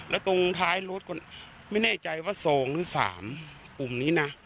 และตรงท้ายรถคนไม่แน่ใจว่าทรงหรือสามปุ่มนี้นะ